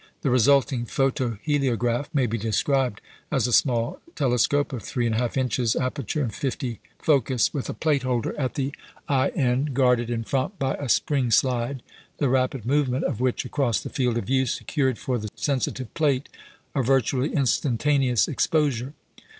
The resulting "photoheliograph" may be described as a small telescope (of 3 1/2 inches aperture and 50 focus), with a plate holder at the eye end, guarded in front by a spring slide, the rapid movement of which across the field of view secured for the sensitive plate a virtually instantaneous exposure.